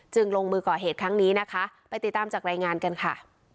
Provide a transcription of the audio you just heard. ลงมือก่อเหตุครั้งนี้นะคะไปติดตามจากรายงานกันค่ะ